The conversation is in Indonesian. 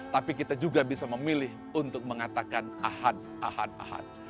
tapi kita juga bisa memilih untuk mengatakan ahad ahad ahad